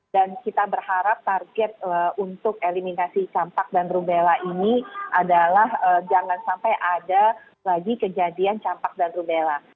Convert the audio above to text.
dan kita berharap target untuk eliminasi campak dan rubella ini adalah jangan sampai ada lagi kejadian campak dan rubella